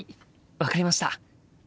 分かりました。